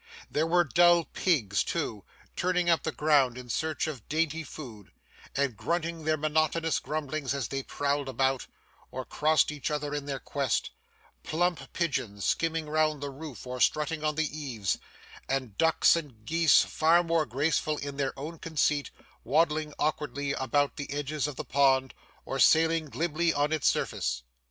There were dull pigs too, turning up the ground in search of dainty food, and grunting their monotonous grumblings as they prowled about, or crossed each other in their quest; plump pigeons skimming round the roof or strutting on the eaves; and ducks and geese, far more graceful in their own conceit, waddling awkwardly about the edges of the pond or sailing glibly on its surface.